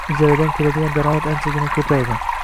Ijaradan keladigan daromad anchagina ko`paydi